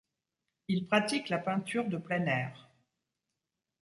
Il pratique la peinture de plein air.